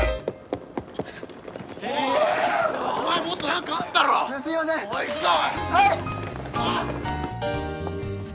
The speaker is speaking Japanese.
おいお前もっと何かあんだろすいませんおい行くぞおいはい！